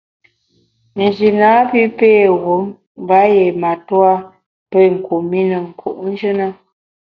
Nji napi pé wum mba yié matua pé kum i ne nku’njù na.